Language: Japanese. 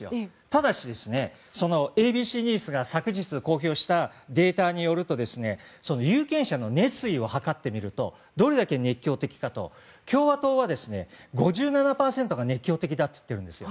ただし、ＡＢＣニュースが先日公表したデータによると有権者の熱意を図ってみるとどれだけ熱狂的かと共和党は５７％が熱狂的だと言っているんです。